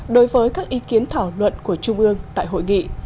đối với các ý kiến thảo luận của trung ương tại hội nghị